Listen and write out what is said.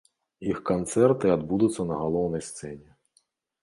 Іх канцэрты адбудуцца на галоўнай сцэне.